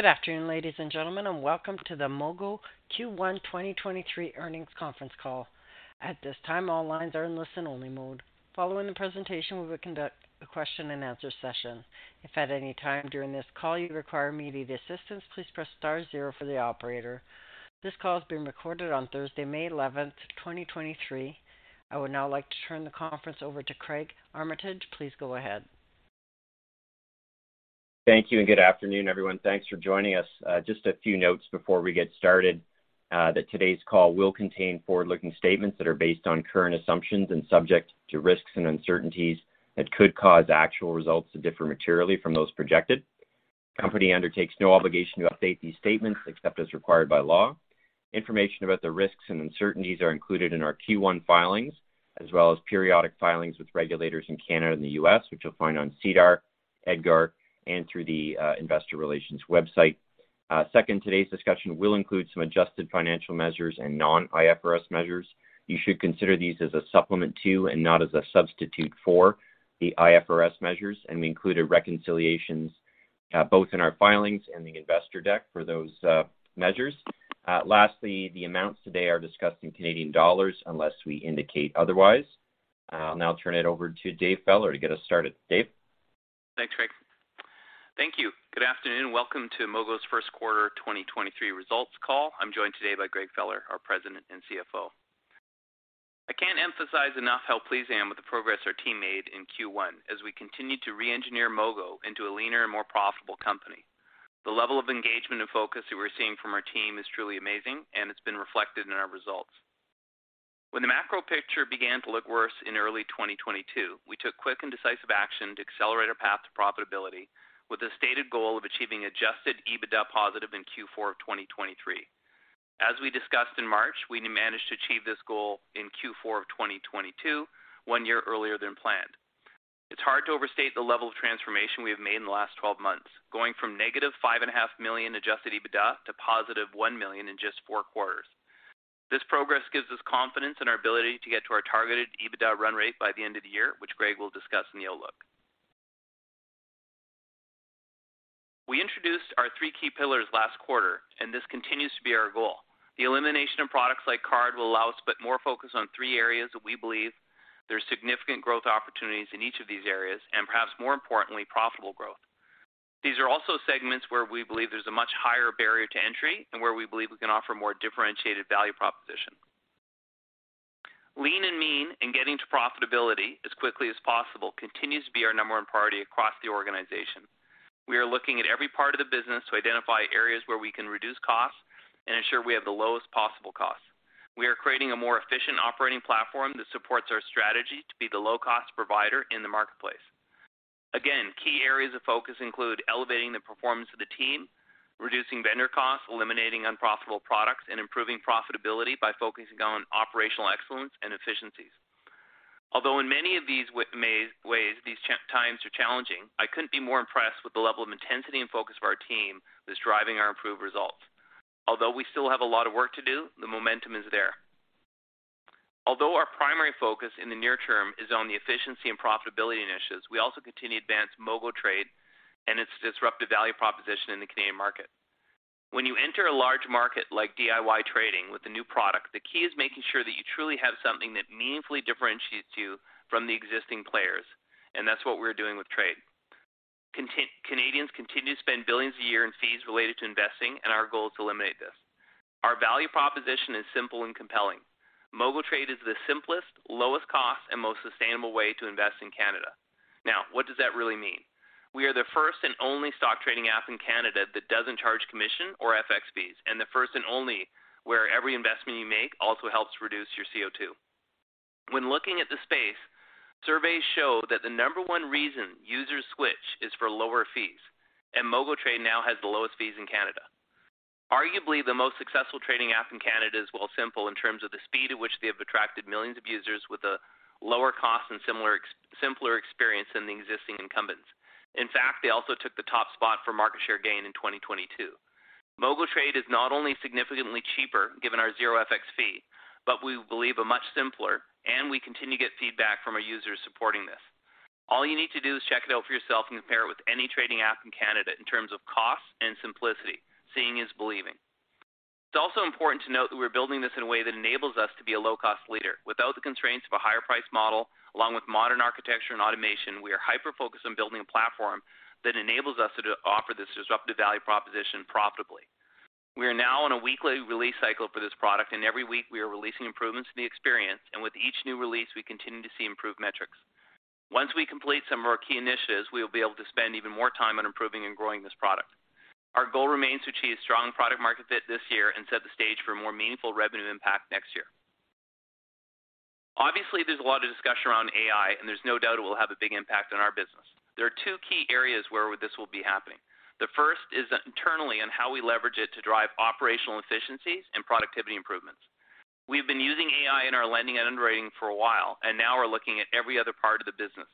Good afternoon, ladies and gentlemen, welcome to the Mogo Q1 2023 earnings conference call. At this time, all lines are in listen-only mode. Following the presentation, we will conduct a question-and-answer session. If at any time during this call you require immediate assistance, please press star zero for the operator. This call is being recorded on Thursday, 11 May 2023. I would now like to turn the conference over to Craig Armitage. Please go ahead. Thank you. Good afternoon, everyone. Thanks for joining us. Just a few notes before we get started, that today's call will contain forward-looking statements that are based on current assumptions and subject to risks and uncertainties that could cause actual results to differ materially from those projected. The company undertakes no obligation to update these statements except as required by law. Information about the risks and uncertainties are included in our Q1 filings, as well as periodic filings with regulators in Canada and the U.S., which you'll find on SEDAR, EDGAR, and through the investor relations website. Second, today's discussion will include some adjusted financial measures and non-IFRS measures. You should consider these as a supplement to and not as a substitute for the IFRS measures. We included reconciliations both in our filings and the investor deck for those measures. Lastly, the amounts today are discussed in Canadian dollars unless we indicate otherwise. I'll now turn it over to David Feller to get us started. Dave? Thanks, Craig. Thank you. Good afternoon. Welcome to Mogo's Q1 2023 results call. I'm joined today by Greg Feller, our President and CFO. I can't emphasize enough how pleased I am with the progress our team made in Q1 as we continue to reengineer Mogo into a leaner and more profitable company. The level of engagement and focus that we're seeing from our team is truly amazing, and it's been reflected in our results. When the macro picture began to look worse in early 2022, we took quick and decisive action to accelerate our path to profitability with a stated goal of achieving Adjusted EBITDA positive in Q4 of 2023. As we discussed in March, we managed to achieve this goal in Q4 of 2022, one year earlier than planned. It's hard to overstate the level of transformation we have made in the last 12 months, going from negative 5.5 million Adjusted EBITDA to positive 1 million in just 4 quarters. This progress gives us confidence in our ability to get to our targeted EBITDA run rate by the end of the year, which Greg will discuss in the outlook. We introduced our 3 key pillars last quarter. This continues to be our goal. The elimination of products like Card will allow us to put more focus on 3 areas that we believe there are significant growth opportunities in each of these areas, and perhaps more importantly, profitable growth. These are also segments where we believe there's a much higher barrier to entry and where we believe we can offer a more differentiated value proposition. Lean and mean and getting to profitability as quickly as possible continues to be our number one priority across the organization. We are looking at every part of the business to identify areas where we can reduce costs and ensure we have the lowest possible costs. We are creating a more efficient operating platform that supports our strategy to be the low-cost provider in the marketplace. Again, key areas of focus include elevating the performance of the team, reducing vendor costs, eliminating unprofitable products, and improving profitability by focusing on operational excellence and efficiencies. Although in many of these ways these times are challenging, I couldn't be more impressed with the level of intensity and focus of our team that's driving our improved results. Although we still have a lot of work to do, the momentum is there. Although our primary focus in the near term is on the efficiency and profitability initiatives, we also continue to advance MogoTrade and its disruptive value proposition in the Canadian market. When you enter a large market like DIY trading with a new product, the key is making sure that you truly have something that meaningfully differentiates you from the existing players, and that's what we're doing with Trade. Canadians continue to spend billions a year in fees related to investing, and our goal is to eliminate this. Our value proposition is simple and compelling. MogoTrade is the simplest, lowest cost, and most sustainable way to invest in Canada. Now, what does that really mean? We are the first and only stock trading app in Canada that doesn't charge commission or FX fees, and the first and only where every investment you make also helps reduce your CO2. When looking at the space, surveys show that the number 1 reason users switch is for lower fees. MogoTrade now has the lowest fees in Canada. Arguably, the most successful trading app in Canada is Wealthsimple in terms of the speed at which they have attracted millions of users with a lower cost and simpler experience than the existing incumbents. In fact, they also took the top spot for market share gain in 2022. MogoTrade is not only significantly cheaper, given our zero FX fee. We believe a much simpler, and we continue to get feedback from our users supporting this. All you need to do is check it out for yourself and compare it with any trading app in Canada in terms of cost and simplicity. Seeing is believing. It's also important to note that we're building this in a way that enables us to be a low-cost leader. Without the constraints of a higher price model, along with modern architecture and automation, we are hyper-focused on building a platform that enables us to offer this disruptive value proposition profitably. We are now on a weekly release cycle for this product. Every week we are releasing improvements to the experience. With each new release, we continue to see improved metrics. Once we complete some of our key initiatives, we will be able to spend even more time on improving and growing this product. Our goal remains to achieve strong product market fit this year and set the stage for a more meaningful revenue impact next year. Obviously, there's a lot of discussion around AI. There's no doubt it will have a big impact on our business. There are two key areas where this will be happening. The first is internally and how we leverage it to drive operational efficiencies and productivity improvements. We've been using AI in our lending and underwriting for a while, and now we're looking at every other part of the business.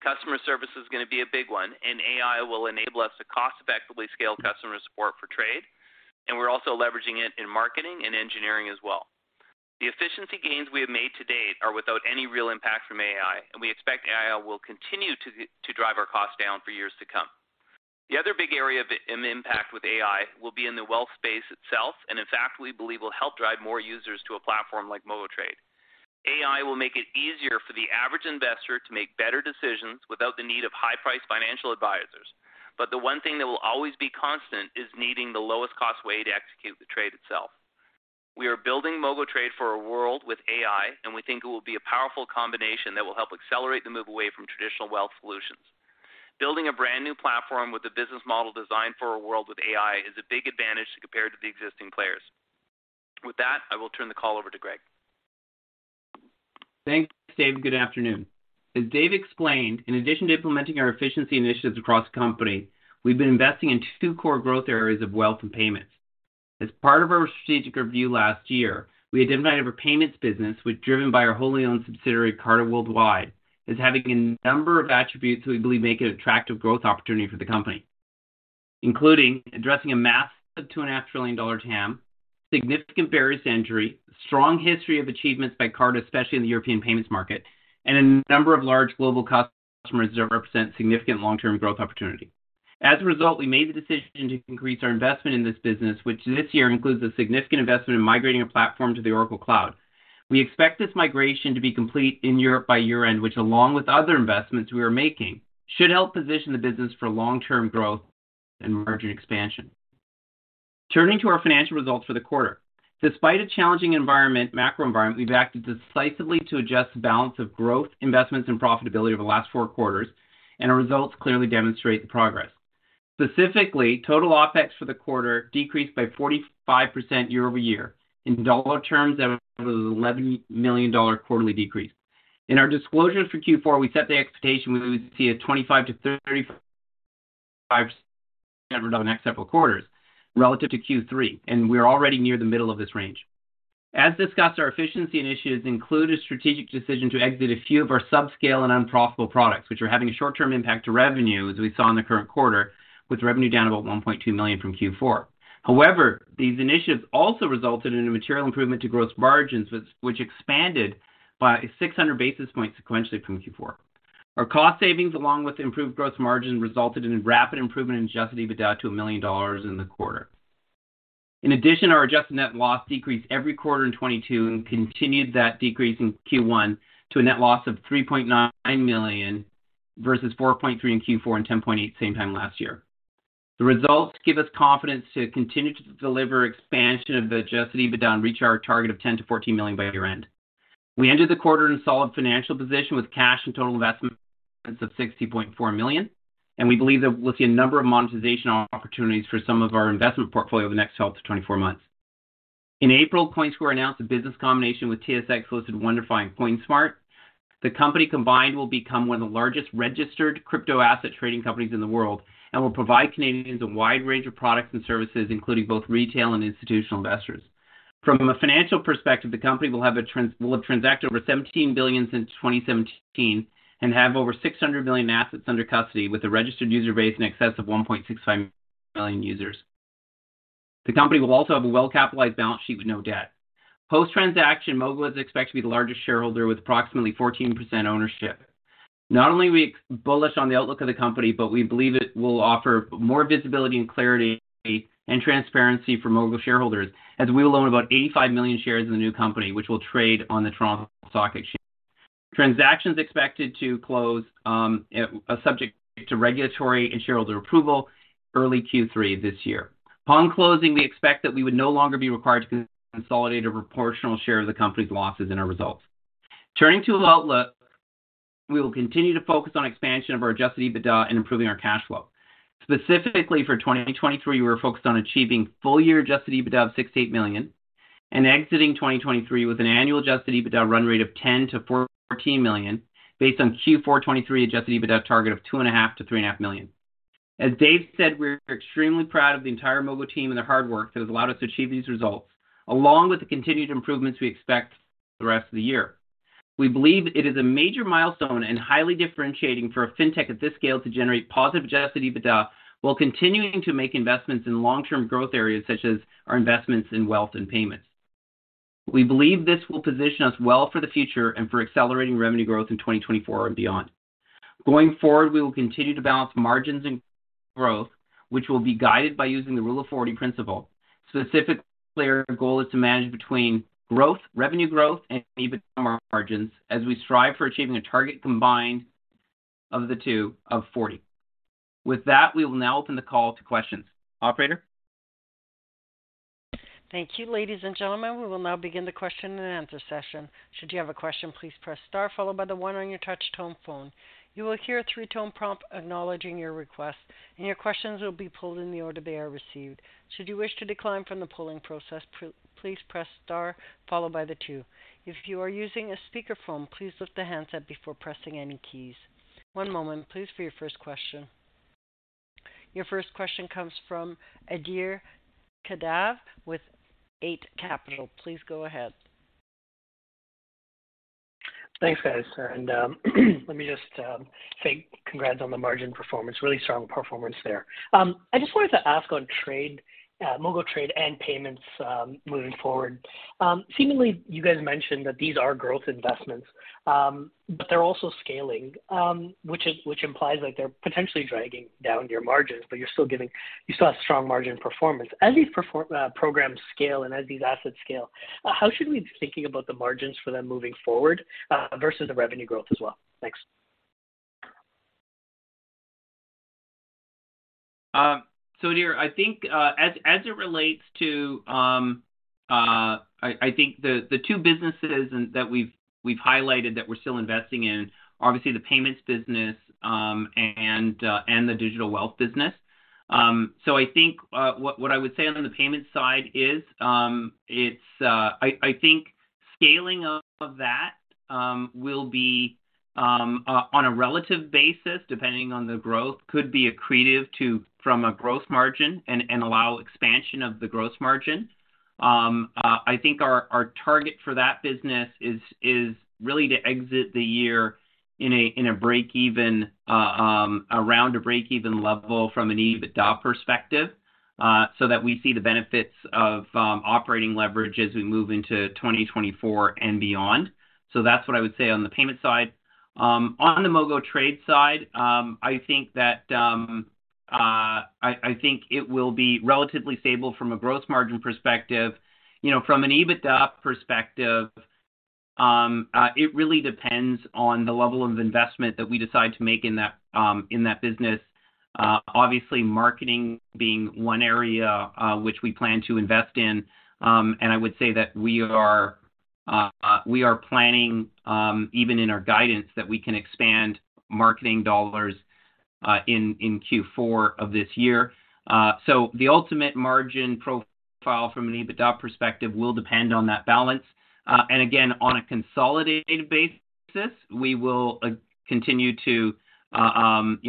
Customer service is gonna be a big one, and AI will enable us to cost-effectively scale customer support for Trade, and we're also leveraging it in marketing and engineering as well. The efficiency gains we have made to date are without any real impact from AI, and we expect AI will continue to drive our costs down for years to come. The other big area of impact with AI will be in the wealth space itself, and in fact, we believe will help drive more users to a platform like MogoTrade. AI will make it easier for the average investor to make better decisions without the need of high-priced financial advisors. The one thing that will always be constant is needing the lowest cost way to execute the trade itself. We are building MogoTrade for a world with AI, and we think it will be a powerful combination that will help accelerate the move away from traditional wealth solutions. Building a brand new platform with a business model designed for a world with AI is a big advantage to compare to the existing players. With that, I will turn the call over to Greg. Thanks, Dave. Good afternoon. As Dave explained, in addition to implementing our efficiency initiatives across the company, we've been investing in two core growth areas of wealth and payments. As part of our strategic review last year, we identified our payments business, which driven by our wholly owned subsidiary, Carta Worldwide, as having a number of attributes we believe make it an attractive growth opportunity for the company, including addressing a massive two and a half trillion dollar TAM, significant barriers to entry, strong history of achievements by Carta, especially in the European payments market, and a number of large global customers that represent significant long-term growth opportunity. As a result, we made the decision to increase our investment in this business, which this year includes a significant investment in migrating a platform to the Oracle Cloud. We expect this migration to be complete in Europe by year-end, which along with other investments we are making, should help position the business for long-term growth and margin expansion. Turning to our financial results for the quarter. Despite a challenging macro environment, we've acted decisively to adjust the balance of growth, investments, and profitability over the last four quarters. Our results clearly demonstrate the progress. Specifically, total OpEx for the quarter decreased by 45% year-over-year. In CAD terms, that was 11 million dollar quarterly decrease. In our disclosures for Q4, we set the expectation we would see a 25%-35% over the next several quarters relative to Q3. We're already near the middle of this range. As discussed, our efficiency initiatives include a strategic decision to exit a few of our subscale and unprofitable products, which are having a short-term impact to revenue, as we saw in the current quarter, with revenue down about 1.2 million from Q4. These initiatives also resulted in a material improvement to gross margins, which expanded by 600 basis points sequentially from Q4. Our cost savings, along with improved gross margin, resulted in a rapid improvement in Adjusted EBITDA to 1 million dollars in the quarter. Our adjusted net loss decreased every quarter in 2022 and continued that decrease in Q1 to a net loss of 3.9 million versus 4.3 million in Q4 and 10.8 million same time last year. The results give us confidence to continue to deliver expansion of the Adjusted EBITDA and reach our target of 10 million-14 million by year-end. We ended the quarter in a solid financial position with cash and total investments of 60.4 million. We believe that we'll see a number of monetization opportunities for some of our investment portfolio over the next 12-24 months. In April, Coinsquare announced a business combination with TSX-listed WonderFi and CoinSmart. The company combined will become one of the largest registered crypto asset trading companies in the world and will provide Canadians a wide range of products and services, including both retail and institutional investors. From a financial perspective, the company will have transacted over 17 billion since 2017 and have over 600 million assets under custody with a registered user base in excess of 1.65 million users. The company will also have a well-capitalized balance sheet with no debt. Post-transaction, Mogo is expected to be the largest shareholder with approximately 14% ownership. Not only are we bullish on the outlook of the company, but we believe it will offer more visibility and clarity and transparency for Mogo shareholders, as we will own about 85 million shares in the new company, which will trade on the Toronto Stock Exchange. The transaction is expected to close, subject to regulatory and shareholder approval early Q3 this year. Upon closing, we expect that we would no longer be required to consolidate a proportional share of the company's losses in our results. Turning to outlook, we will continue to focus on expansion of our Adjusted EBITDA and improving our cash flow. Specifically for 2023, we're focused on achieving full year Adjusted EBITDA of 6 million-8 million and exiting 2023 with an annual Adjusted EBITDA run rate of 10 million-14 million based on Q4 2023 Adjusted EBITDA target of 2.5 million-3.5 million. As David said, we're extremely proud of the entire Mogo team and their hard work that has allowed us to achieve these results, along with the continued improvements we expect for the rest of the year. We believe it is a major milestone and highly differentiating for a fintech of this scale to generate positive Adjusted EBITDA while continuing to make investments in long-term growth areas such as our investments in wealth and payments. We believe this will position us well for the future and for accelerating revenue growth in 2024 and beyond. Going forward, we will continue to balance margins and growth, which will be guided by using the Rule of 40 principle. Specifically, our goal is to manage between growth, revenue growth, and EBITDA margins as we strive for achieving a target combined of the two of 40. With that, we will now open the call to questions. Operator? Thank you. Ladies and gentlemen, we will now begin the question and answer session. Should you have a question, please press star followed by the 1 on your touch-tone phone. You will hear a 3-tone prompt acknowledging your request, and your questions will be pulled in the order they are received. Should you wish to decline from the polling process, please press star followed by the 2. If you are using a speakerphone, please lift the handset before pressing any keys. One moment, please, for your first question. Your first question comes from Adhir Kadve with Eight Capital. Please go ahead. Thanks, guys. Let me just say congrats on the margin performance. Really strong performance there. I just wanted to ask on trade, MogoTrade and payments, moving forward. Seemingly, you guys mentioned that these are growth investments, but they're also scaling, which implies, like, they're potentially dragging down your margins, but you still have strong margin performance. As these programs scale and as these assets scale, how should we be thinking about the margins for them moving forward, versus the revenue growth as well? Thanks. Adhir, I think, as it relates to, I think the two businesses that we've highlighted that we're still investing in, obviously the payments business, and the digital wealth business. I think, what I would say on the payment side is, it's, I think scaling of that will be on a relative basis, depending on the growth, could be accretive from a growth margin and allow expansion of the growth margin. I think our target for that business is really to exit the year in a break-even, around a break-even level from an EBITDA perspective, so that we see the benefits of operating leverage as we move into 2024 and beyond. That's what I would say on the payment side. On the MogoTrade side, I think that, I think it will be relatively stable from a growth margin perspective. You know, from an EBITDA perspective, it really depends on the level of investment that we decide to make in that, in that business. Obviously, marketing being one area, which we plan to invest in. I would say that we are planning, even in our guidance, that we can expand marketing dollars, in Q4 of this year. The ultimate margin profile from an EBITDA perspective will depend on that balance. Again, on a consolidated basis, we will continue to, you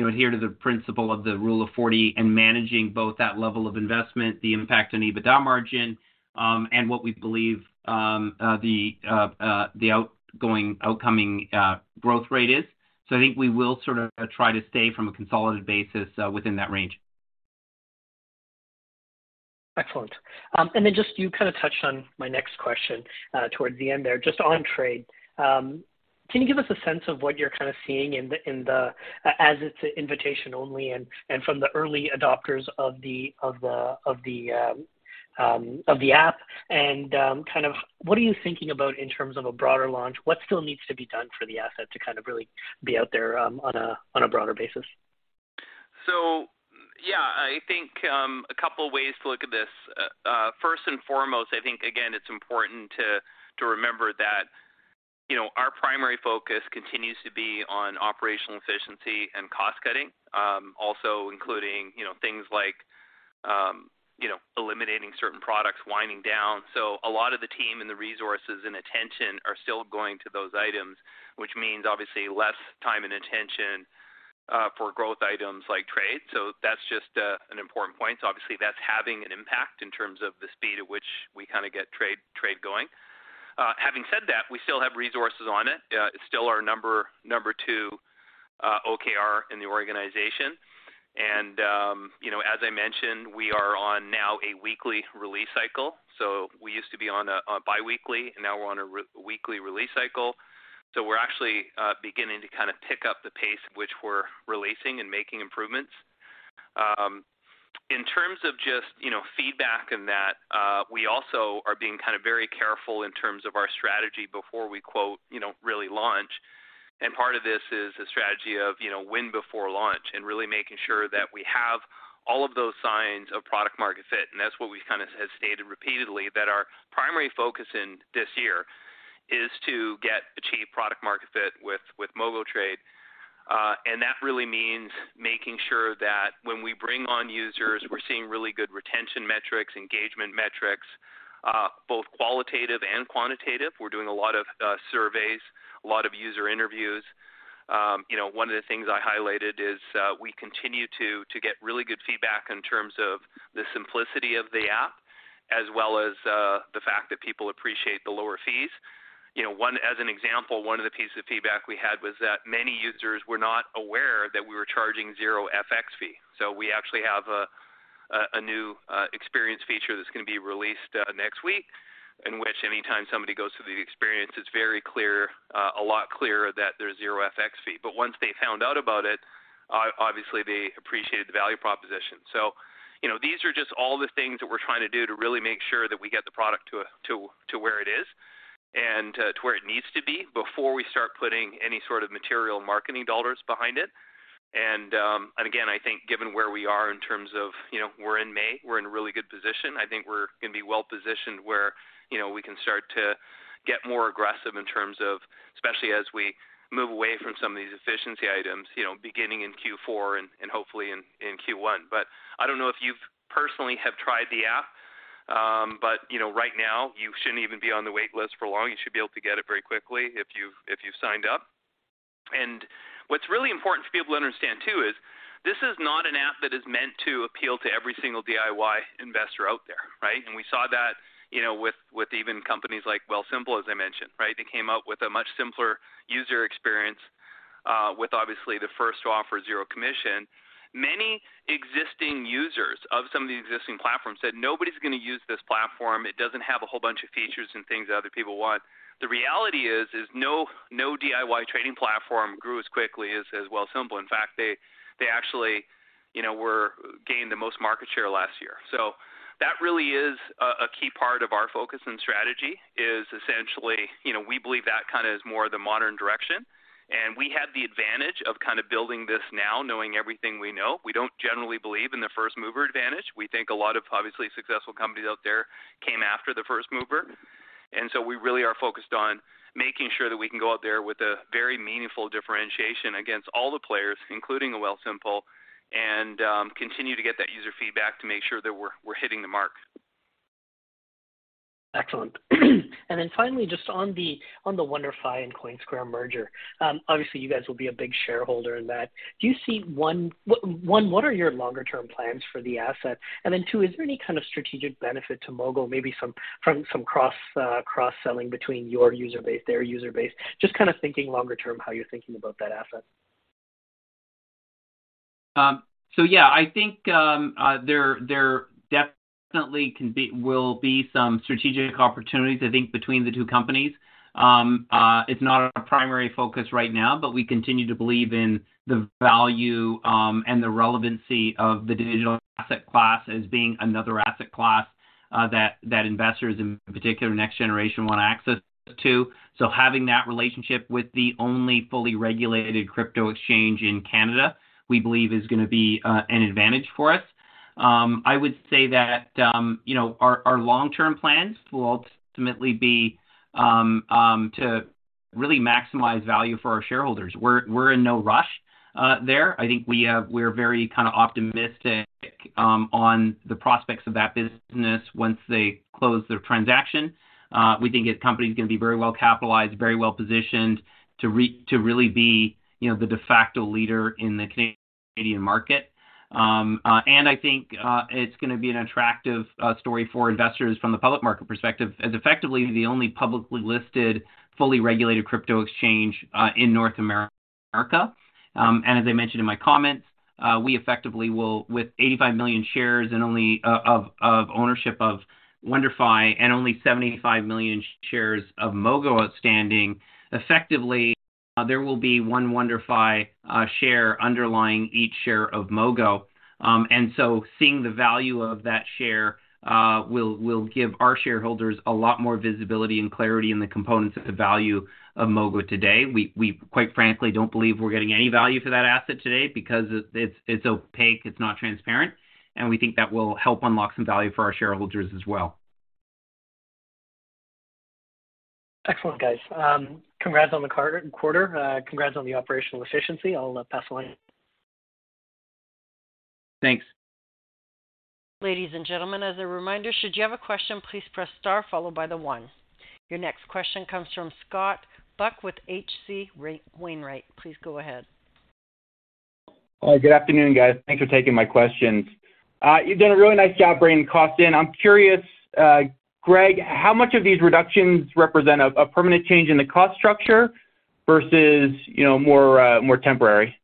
know, adhere to the principle of the Rule of 40 and managing both that level of investment, the impact on EBITDA margin, and what we believe the outcoming growth rate is. I think we will sort of try to stay from a consolidated basis within that range. Excellent. Then just you kind of touched on my next question towards the end there, just on trade. Can you give us a sense of what you're kind of seeing as it's invitation only and from the early adopters of the app? Kind of what are you thinking about in terms of a broader launch? What still needs to be done for the asset to kind of really be out there on a broader basis? Yeah, I think, a couple of ways to look at this. First and foremost, I think, again, it's important to remember that, you know, our primary focus continues to be on operational efficiency and cost-cutting. Also including, you know, things like, you know, eliminating certain products, winding down. A lot of the team and the resources and attention are still going to those items, which means obviously less time and attention for growth items like trade. That's just an important point. Obviously, that's having an impact in terms of the speed at which we kinda get trade going. Having said that, we still have resources on it. It's still our number two OKR in the organization. You know, as I mentioned, we are on now a weekly release cycle. We used to be on a biweekly, and now we're on a weekly release cycle. We're actually beginning to kind of pick up the pace at which we're releasing and making improvements. In terms of just, you know, feedback and that, we also are being kind of very careful in terms of our strategy before we quote, you know, really launch. Part of this is a strategy of, you know, win before launch and really making sure that we have all of those signs of product market fit. That's what we kind of have stated repeatedly that our primary focus in this year is to achieve product market fit with MogoTrade. That really means making sure that when we bring on users, we're seeing really good retention metrics, engagement metrics, both qualitative and quantitative. We're doing a lot of surveys, a lot of user interviews. You know, one of the things I highlighted is we continue to get really good feedback in terms of the simplicity of the app, as well as the fact that people appreciate the lower fees. You know, as an example, one of the pieces of feedback we had was that many users were not aware that we were charging zero FX fee. We actually have a new experience feature that's gonna be released next week in which anytime somebody goes through the experience, it's very clear, a lot clearer that there's zero FX fee. Once they found out about it, obviously, they appreciated the value proposition. You know, these are just all the things that we're trying to do to really make sure that we get the product to where it is and to where it needs to be before we start putting any sort of material marketing dollars behind it. Again, I think given where we are in terms of, you know, we're in May, we're in a really good position. I think we're gonna be well-positioned where, you know, we can start to get more aggressive in terms of, especially as we move away from some of these efficiency items, you know, beginning in Q4 and hopefully in Q1. I don't know if you've personally have tried the app, but you know, right now you shouldn't even be on the wait list for long. You should be able to get it very quickly if you've, if you've signed up. What's really important for people to understand too is this is not an app that is meant to appeal to every single DIY investor out there, right? We saw that, you know, with even companies like Wealthsimple, as I mentioned, right? They came out with a much simpler user experience, with obviously the first to offer zero commission. Many existing users of some of the existing platforms said nobody's gonna use this platform. It doesn't have a whole bunch of features and things that other people want. The reality is no DIY trading platform grew as quickly as Wealthsimple. In fact, they actually, you know, gained the most market share last year. That really is a key part of our focus and strategy is essentially, you know, we believe that kinda is more the modern direction. We have the advantage of kind of building this now knowing everything we know. We don't generally believe in the first mover advantage. We think a lot of obviously successful companies out there came after the first mover. We really are focused on making sure that we can go out there with a very meaningful differentiation against all the players, including a Wealthsimple, and continue to get that user feedback to make sure that we're hitting the mark. Excellent. Finally, just on the, on the WonderFi and Coinsquare merger, obviously you guys will be a big shareholder in that. Do you see one, what are your longer term plans for the asset? Two, is there any kind of strategic benefit to Mogo, maybe some from some cross-selling between your user base, their user base? Just kinda thinking longer term, how you're thinking about that asset. Yeah, I think, will be some strategic opportunities, I think, between the two companies. It's not our primary focus right now, but we continue to believe in the value, and the relevancy of the digital asset class as being another asset class, investors in particular next generation want access to. Having that relationship with the only fully regulated crypto exchange in Canada, we believe is gonna be an advantage for us. I would say that, you know, our long-term plans will ultimately be to really maximize value for our shareholders. We're in no rush there. I think we're very kinda optimistic on the prospects of that business once they close their transaction. We think the company's gonna be very well capitalized, very well positioned to really be, you know, the de facto leader in the Canadian market. I think it's gonna be an attractive story for investors from the public market perspective as effectively the only publicly listed, fully regulated crypto exchange in North America. As I mentioned in my comments, we effectively will with 85 million shares and only of ownership of WonderFi and only 75 million shares of Mogo outstanding, effectively, there will be one WonderFi share underlying each share of Mogo. Seeing the value of that share will give our shareholders a lot more visibility and clarity in the components of the value of Mogo today. We quite frankly, don't believe we're getting any value for that asset today because it's opaque, it's not transparent, and we think that will help unlock some value for our shareholders as well. Excellent, guys. Congrats on the quarter. Congrats on the operational efficiency. I'll pass the line. Thanks. Ladies and gentlemen, as a reminder, should you have a question, please press star followed by the one. Your next question comes from Scott Buck with HC Wainwright. Please go ahead. Hi, good afternoon, guys. Thanks for taking my questions. You've done a really nice job bringing costs in. I'm curious, Greg, how much of these reductions represent a permanent change in the cost structure versus, you know, more temporary?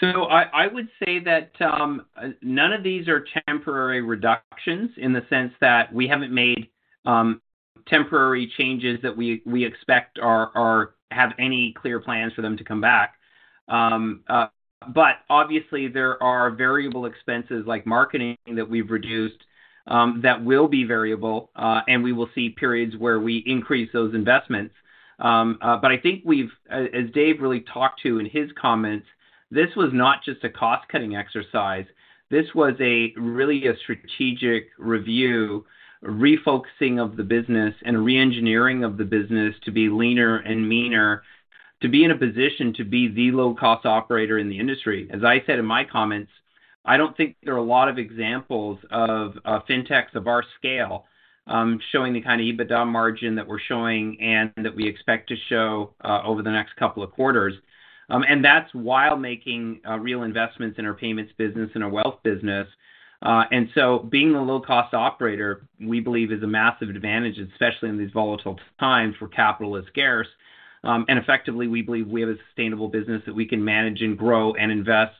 I would say that none of these are temporary reductions in the sense that we haven't made temporary changes that we expect or have any clear plans for them to come back. Obviously there are variable expenses like marketing that we've reduced that will be variable, and we will see periods where we increase those investments. I think we've as Dave really talked to in his comments, this was not just a cost-cutting exercise. This was a really a strategic review, refocusing of the business and reengineering of the business to be leaner and meaner, to be in a position to be the low-cost operator in the industry. As I said in my comments, I don't think there are a lot of examples of Fintechs of our scale, showing the kind of EBITDA margin that we're showing and that we expect to show over the next couple of quarters. That's while making real investments in our payments business and our wealth business. Being a low-cost operator, we believe is a massive advantage, especially in these volatile times where capital is scarce. Effectively, we believe we have a sustainable business that we can manage and grow and invest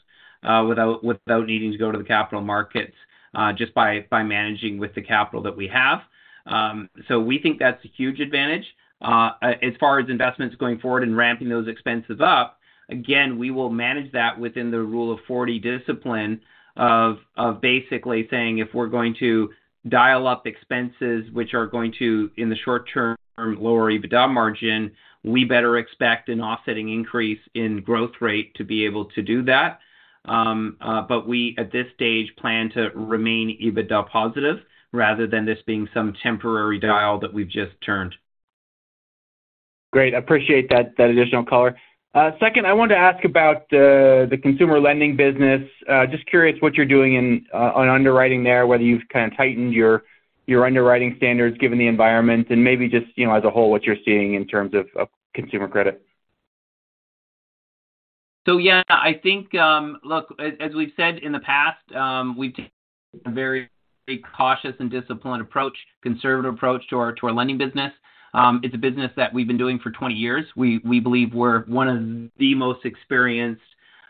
without needing to go to the capital markets, just by managing with the capital that we have. We think that's a huge advantage. As far as investments going forward and ramping those expenses up, again, we will manage that within the Rule of 40 discipline of basically saying, if we're going to dial up expenses which are going to, in the short term, lower EBITDA margin, we better expect an offsetting increase in growth rate to be able to do that. We, at this stage, plan to remain EBITDA positive rather than this being some temporary dial that we've just turned. Great. I appreciate that additional color. Second, I wanted to ask about the consumer lending business. Just curious what you're doing in on underwriting there, whether you've kind of tightened your underwriting standards given the environment and maybe just, you know, as a whole, what you're seeing in terms of consumer credit. Yeah, I think, look, as we've said in the past, we've taken a very cautious and disciplined approach, conservative approach to our, to our lending business. It's a business that we've been doing for 20 years. We believe we're one of the most experienced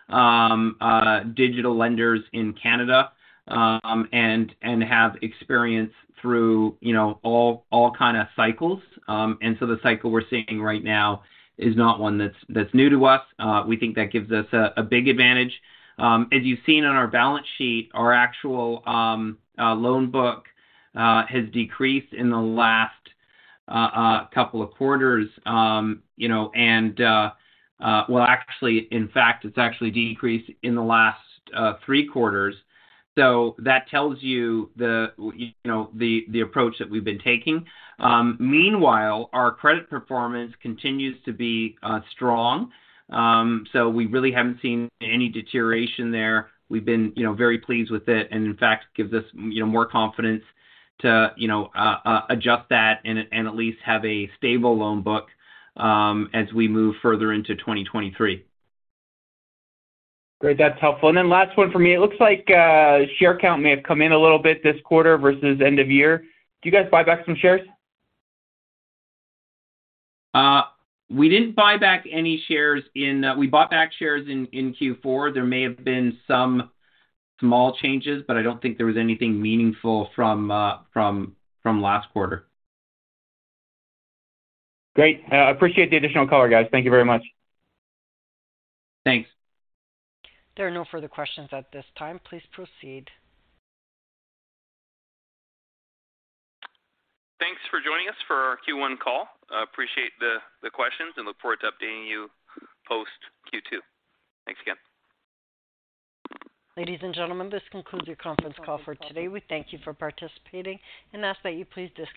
digital lenders in Canada, and have experience through, you know, all kind of cycles. The cycle we're seeing right now is not one that's new to us. We think that gives us a big advantage. As you've seen on our balance sheet, our actual loan book has decreased in the last couple of quarters. You know. Well, actually, in fact, it's actually decreased in the last 3 quarters. That tells you know, the approach that we've been taking. Meanwhile, our credit performance continues to be strong. We really haven't seen any deterioration there. We've been, you know, very pleased with it, and in fact, gives us, you know, more confidence to, you know, adjust that and at least have a stable loan book as we move further into 2023. Great. That's helpful. Last one for me. It looks like share count may have come in a little bit this quarter versus end of year. Do you guys buy back some shares? We didn't buy back any shares. We bought back shares in Q4. There may have been some small changes, but I don't think there was anything meaningful from last quarter. Great. appreciate the additional color, guys. Thank you very much. Thanks. There are no further questions at this time. Please proceed. Thanks for joining us for our Q1 call. Appreciate the questions and look forward to updating you post Q2. Thanks again. Ladies and gentlemen, this concludes your conference call for today. We thank you for participating and ask that you please disconnect.